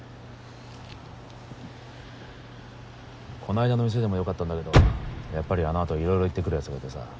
こないだの店でも良かったんだけどやっぱりあのあといろいろ言ってくるやつがいてさ。